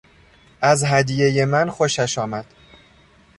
از هدیهی من خوشش آمد.